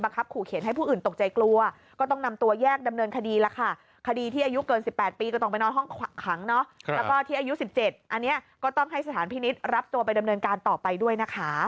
หรือไม่ได้รับอนุญาตแล้วก็ร่วมกันใช้ปืน